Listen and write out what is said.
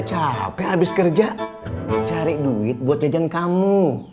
capek habis kerja cari duit buat jajan kamu